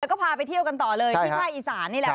แล้วก็พาไปเที่ยวกันต่อเลยที่ภาคอีสานนี่แหละ